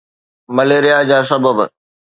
malaria جا سبب